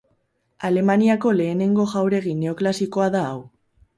Alemaniako lehenengo jauregi neoklasikoa da hau.